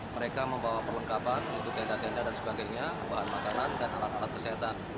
mereka membawa perlengkapan untuk tenda tenda dan sebagainya bahan makanan dan alat alat kesehatan